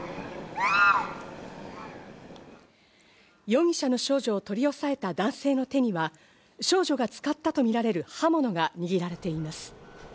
容疑者の少女を取り押さえた男性の手には少女が使ったとみられる刃物が握られています。